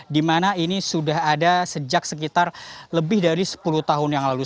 di mana ini sudah ada sejak sekitar lebih dari sepuluh tahun yang lalu